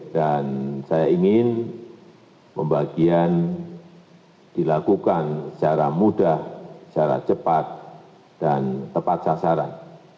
dan saya ingin pembagian dilakukan secara mudah secara cepat dan tepat sasaran